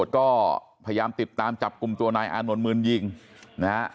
ก็พยายามติดตามจับกลุ่มตัวนายอานนท์มือยิงนะฮะ